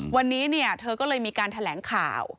วันนี้เธอก็เลยมีการแถลงข่าว